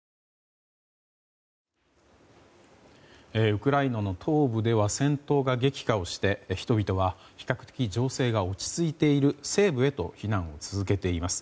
ウクライナの東部では戦闘が激化して人々は比較的情勢が落ち着いている西部へと避難を続けています。